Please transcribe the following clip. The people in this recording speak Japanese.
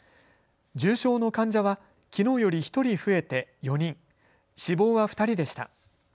重症の患者はきのうより１人増えて４人、死亡は２人でした。